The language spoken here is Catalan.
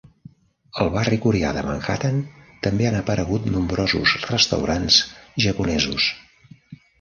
Al barri coreà de Manhattan també han aparegut nombrosos restaurants japonesos.